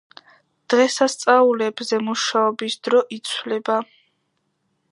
დღესასწაულებზე მუშაობის დრო იცვლება.